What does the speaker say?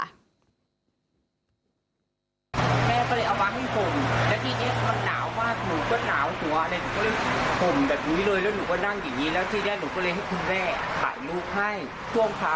อ๋ออันนี้อีกหนึ่ง